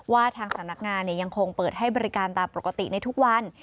ว่าทางสำนักงานยังคงเปิดให้บริการตามปกติในทุกวัน